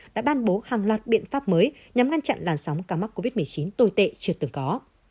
đã ban bố hàng loạt biện pháp mới nhằm ngăn chặn làn sóng ca mắc covid một mươi chín tồi tệ chưa từng có